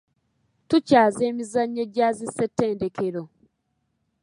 Tukyaza emizannyo gya zi Ssettendekero.